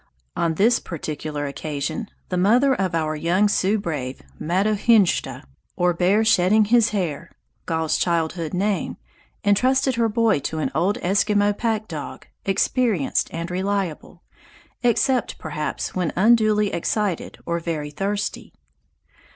On this particular occasion, the mother of our young Sioux brave, Matohinshda, or Bear Shedding His Hair (Gall's childhood name), intrusted her boy to an old Eskimo pack dog, experienced and reliable, except perhaps when unduly excited or very thirsty.